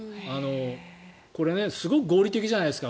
これすごく合理的じゃないですか。